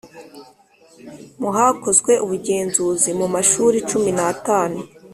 mu Hakozwe ubugenzuzi mu mashuri cumi n atanu